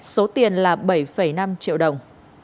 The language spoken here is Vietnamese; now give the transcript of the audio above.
số tiền là bảy năm triệu đồng